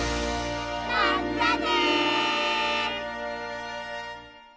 まったね！